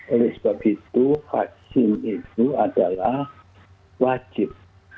oleh sebab itu vaksin itu adalah wajib